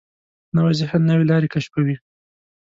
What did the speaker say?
نوی ذهن نوې لارې کشفوي